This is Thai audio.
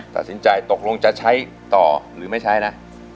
ตัดสินใจตกลงจะใช้ต่อหรือไม่ใช้นะ